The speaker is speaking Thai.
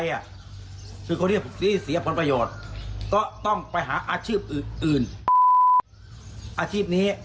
คือคนที่เสียผลประโยชน์ก็ต้องไปหาอาชีพอื่นอาชีพนี้